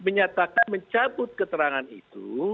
menyatakan mencabut keterangan itu